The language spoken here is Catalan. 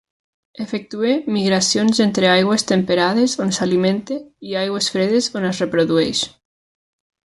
Efectua migracions entre aigües temperades, on s'alimenta, i aigües fredes, on es reprodueix.